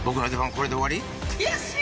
これで終わり⁉悔しい！